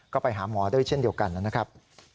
ก็ไปหาหมอด้วยเช่นเดียวกันนะครับ